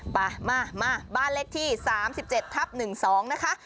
มามาบ้านเลขที่๓๗ทับ๑๒นะคะ